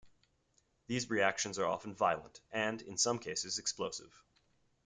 These reactions are often violent, and in some cases explosive.